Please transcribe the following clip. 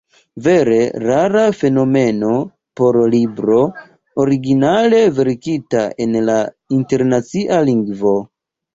Vere rara fenomeno por libro, originale verkita en la internacia lingvo!